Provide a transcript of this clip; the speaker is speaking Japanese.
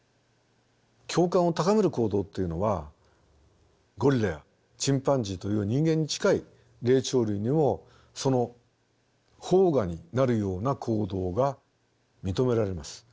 共感を高める行動っていうのはゴリラやチンパンジーという人間に近い霊長類にもそのほう芽になるような行動が認められます。